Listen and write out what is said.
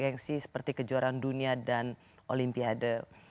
jadi yang sih seperti kejuaraan dunia dan olimpiade